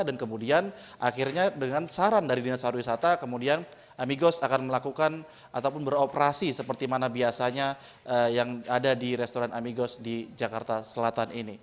dan kemudian akhirnya dengan saran dari dinas pariwisata kemudian amigos akan melakukan ataupun beroperasi seperti mana biasanya yang ada di restoran amigos di jakarta selatan ini